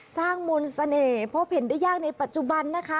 สร้างมนต์เสน่ห์พบเห็นได้ยากในปัจจุบันนะคะ